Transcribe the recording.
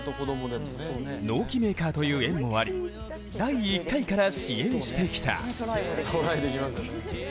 農機メーカーという縁もあり第１回から支援してきた。